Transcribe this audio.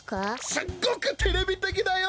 すっごくテレビてきだよ。